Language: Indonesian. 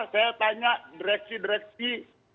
saya tanya direksi direksi